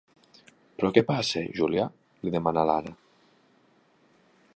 Però què passa, Júlia? —li demana l'Anna.